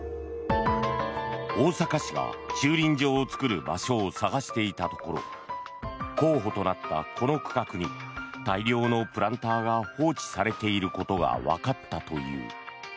大阪市が駐輪場を作る場所を探していたところ候補となったこの区画に大量のプランターが放置されていることがわかったという。